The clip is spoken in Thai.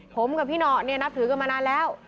ผมกับพี่หนอนเนี่ยนับถือกันมานานแล้ว